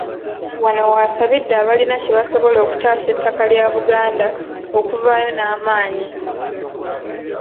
Wano w'asabidde abalina kye basobola okutaasa ettaka lya Buganda, okuvaayo n'amaanyi.